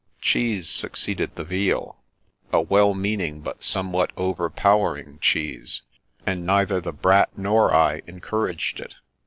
Cheese succeeded the veal, a well mean ing but somewhat overpowering cheese, and neither the Brat nor I encouraged it.